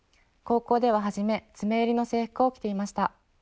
高校では初め詰め襟の制服を着ていました。